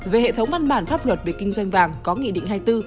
về hệ thống văn bản pháp luật về kinh doanh vàng có nghị định hai mươi bốn